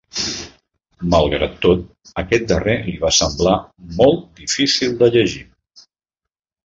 Malgrat tot, aquest darrer li va semblar "molt difícil de llegir".